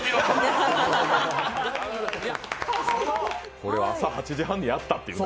これを朝８時半にやったという。